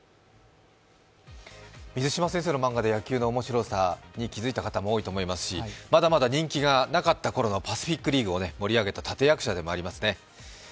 水島先生の漫画で野球の面白さに気づいた方も多かったでしょうしまだまだ人気がなかったころのパシフィックリーグを盛り上げた立役者でもありますね。